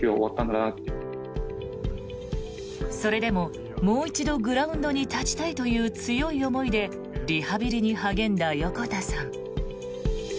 それでももう一度グラウンドに立ちたいという強い思いでリハビリに励んだ横田さん。